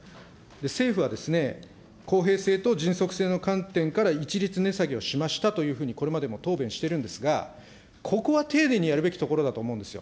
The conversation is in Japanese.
政府はですね、公平性と迅速性の観点から一律値下げをしましたと、これまでも答弁してるんですが、ここは丁寧にやるべきところだと思うんですよ。